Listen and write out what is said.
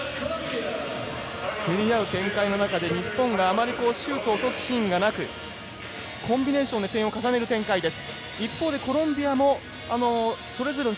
競り合う展開の中で日本があまりシュートを落とす展開がなくコンビネーションで得点を重ねる展開です。